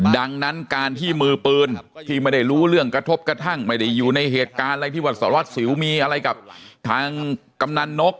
ดังนั้นการที่มือปืนที่ไม่ได้รู้เรื่องกระทบกระทั่งไม่ได้อยู่ในเหตุการณ์อะไรที่วัดสารวัสสิวมีอะไรกับทางกำนันนก